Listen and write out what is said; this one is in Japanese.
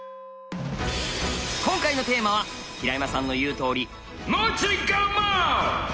今回のテーマは平山さんの言うとおり「持ち駒」！